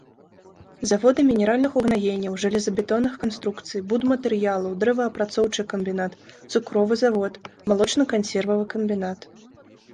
Заводы мінеральных угнаенняў, жалезабетонных канструкцый, будматэрыялаў, дрэваапрацоўчы камбінат, цукровы завод, малочна-кансервавы камбінат.